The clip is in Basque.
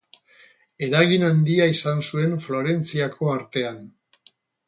Eragin handia izan zuen Florentziako artean.